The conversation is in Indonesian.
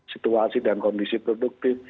situasi dan kondisi produktif